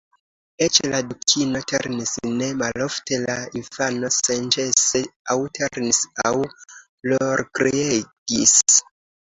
Eĉ la Dukino ternis ne malofte; la infano senĉese aŭ ternis aŭ plorkriegis.